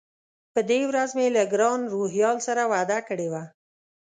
په دې ورځ مې له ګران روهیال سره وعده کړې وه.